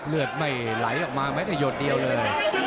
เลือดไม่ไหลออกมาแม้แต่หยดเดียวเลย